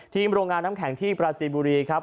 โรงงานน้ำแข็งที่ปราจีนบุรีครับ